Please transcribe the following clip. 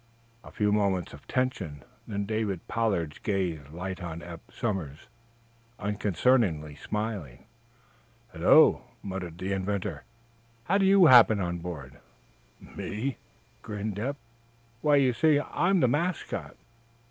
A few moments of tension, then David Pollard's gaze lighted on Eph Somers, unconcernedly smiling. "Hullo!" muttered the inventor. "How do you happen on board?" "Me?" grinned Eph. "Why, you see, I'm the mascot."